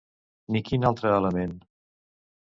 Ni quin altre element?